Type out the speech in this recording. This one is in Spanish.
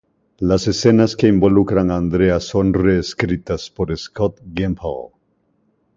Las escenas que involucran a Andrea son re-escritas por Scott Gimple.